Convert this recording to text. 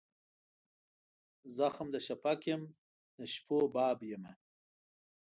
زخم د شفق یم د شپو باب یمه